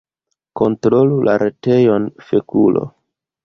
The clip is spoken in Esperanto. "Kontrolu la retejon, fekulo"